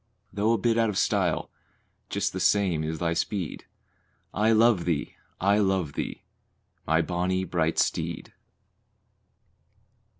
Though a bit out of style, just the same is thy speed. I love thee! I love thee! my bonnie bright steed.